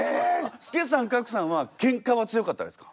助さん格さんはケンカは強かったですか？